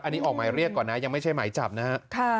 อันนี้ออกหมายเรียกก่อนนะยังไม่ใช่หมายจับนะฮะ